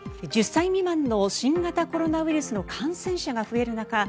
１０歳未満の新型コロナウイルスの感染者が増える中